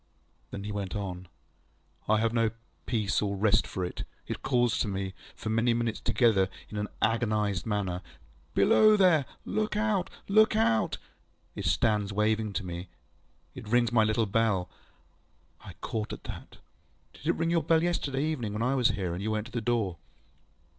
ŌĆØ Then he went on. ŌĆ£I have no peace or rest for it. It calls to me, for many minutes together, in an agonised manner, ŌĆśBelow there! Look out! Look out! ŌĆÖ It stands waving to me. It rings my little bellŌĆöŌĆØ I caught at that. ŌĆ£Did it ring your bell yesterday evening when I was here, and you went to the door?